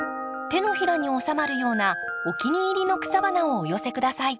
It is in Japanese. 手のひらにおさまるようなお気に入りの草花をお寄せ下さい。